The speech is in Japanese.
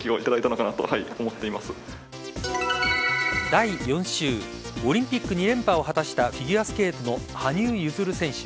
第４週オリンピック２連覇を果たしたフィギュアスケートの羽生結弦選手